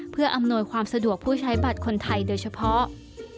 เพื่ออำนวยความสะดวกผู้ใช้บัตรคนไทยโดยเฉพาะ